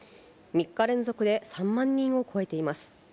３日連続で３万人を超えています。